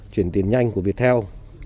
chuyển tiền nhanh của việc theo